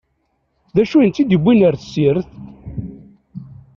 D acu i ten-id-yewwin ar tessirt?